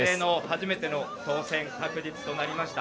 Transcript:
初めての当選確実となりました。